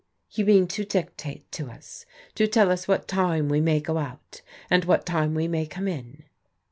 "You mean to dictate to us, to tell us what time we may go out, and what time we may come in